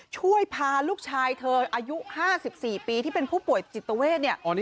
ช่วยพาลูกชายเธออายุ๕๔ปีที่เป็นผู้ป่วยจิตเวทเนี่ย